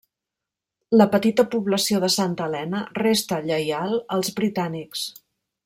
La petita població de Santa Helena resta lleial als britànics.